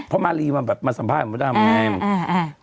เพราะมารีมาสัมภาษณ์กับมดดำไง